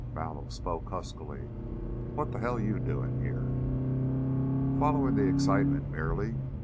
Mallow spoke huskily, "What the hell you doing here?" "Following the excitement, merely.